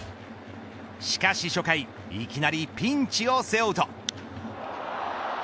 しかし初回いきなりピンチを背負うと。